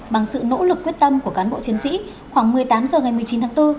bằng sự nỗ lực quyết tâm của cán bộ chiến sĩ khoảng một mươi tám h ngày một mươi chín tháng bốn